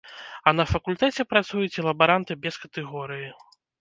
А на факультэце працуюць і лабаранты без катэгорыі.